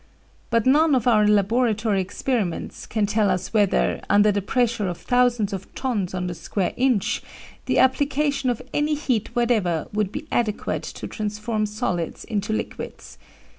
But none of our laboratory experiments can tell us whether, under the pressure of thousands of tons on the square inch, the application of any heat whatever would be adequate to transform solids into liquids.